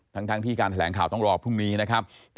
ทั้งที่การแถลงข่าวต้องรอพรุ่งนี้นะครับ